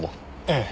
ええ。